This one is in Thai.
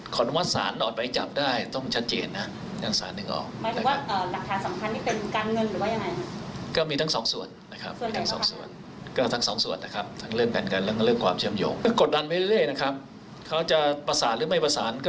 กดดันไปเรื่อยนะครับเขาจะประสานหรือไม่ประสาน